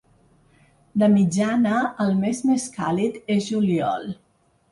De mitjana, el mes més càlid és juliol.